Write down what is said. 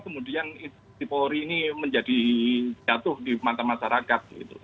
kemudian institusi polri ini menjadi jatuh di mata masyarakat